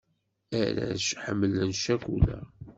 Arrac ḥemmlen ccakula.